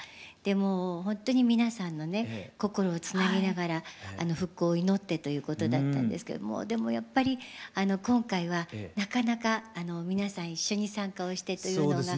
心をつなぎながら復興を祈ってということだったんですけどもうでもやっぱり今回はなかなか皆さん一緒に参加をしてというのが。